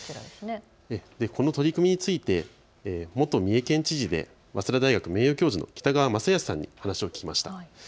この取り組みについて元三重県知事で早稲田大学名誉教授の北川正恭さんに話を聞きました。